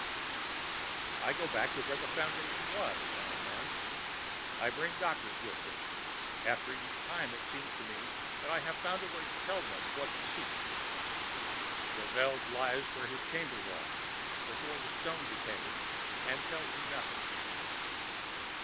I go back to where the Foundation was, now and then. I bring doctors with me, after each time it seems to me I have found a way to tell them what to seek. The Veld lies where his chamber was, before the stone decayed, and tells me nothing.